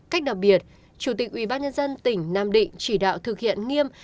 cách đặc biệt chủ tịch ubnd tỉnh nam định chỉ đạo thực hiện nghiêm